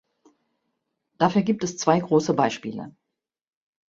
Dafür gibt es zwei große Beispiele.